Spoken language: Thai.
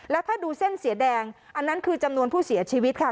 แล้วถ้าดูเส้นสีแดงอันนั้นคือจำนวนผู้เสียชีวิตค่ะ